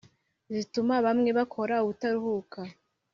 zituma bamwe bakora ubutaruhuka